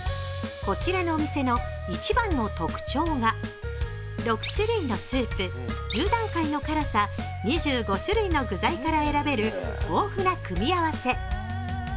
こちらのお店の一番の特徴が６種類のスープ１０段階の辛さ、２５種類の具材から選べる豊富な組み合わせ。